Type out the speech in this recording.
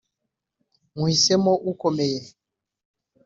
nywuhinitsemo ukomeye